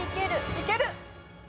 いける！